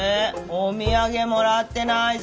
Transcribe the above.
お土産もらってないぞ。